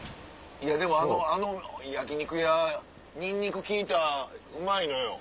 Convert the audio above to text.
いやでもあの焼き肉屋ニンニク効いたうまいのよ。